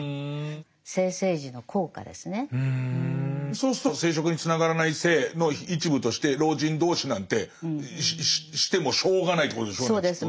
そうすると生殖につながらない性の一部として老人同士なんてしてもしょうがないってことでしょうねきっとね。